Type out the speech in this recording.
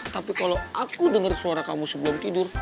tapi kalo aku denger suara kamu sebelum tidur